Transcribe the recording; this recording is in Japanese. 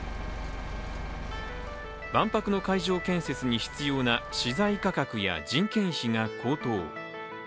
万博の会場建設に必要な資材価格や人件費が高騰。